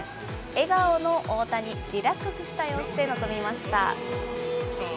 笑顔の大谷、リラックスした様子で臨みました。